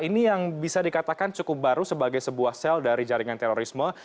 ini yang bisa dikatakan cukup baru sebagai sebuah sel dari jaringan terorisme